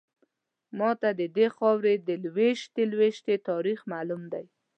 ماته ددې خاورې د لویشتې لویشتې تاریخ معلوم دی.